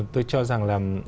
tôi cho rằng là